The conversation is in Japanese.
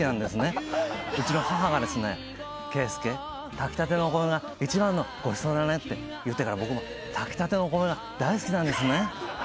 炊きたてのお米が一番のごちそうだね」って言ってから僕も炊きたてのお米が大好きなんですね。